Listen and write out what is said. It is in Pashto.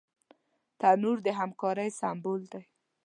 تنور د همکارۍ سمبول دی